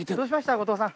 後藤さん。